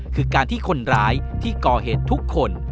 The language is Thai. คือการที่คนร้ายที่ก่อเหตุทุกคน